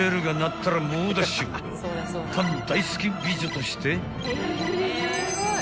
［パン大好き美女として］